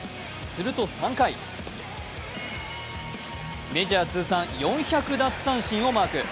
すると３回、メジャー通算４００奪三振をマーク。